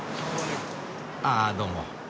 ああどうも。